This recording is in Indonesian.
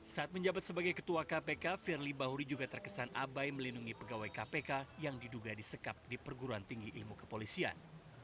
saat menjabat sebagai ketua kpk firly bahuri juga terkesan abai melindungi pegawai kpk yang diduga disekap di perguruan tinggi ilmu kepolisian